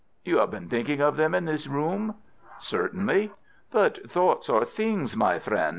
"You have been thinking of them in this room." "Certainly." "But thoughts are things, my friend.